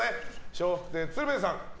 笑福亭鶴瓶さん